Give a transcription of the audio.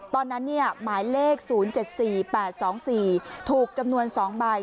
หมายเลข๐๗๔๘๒๔ถูกจำนวน๒ใบ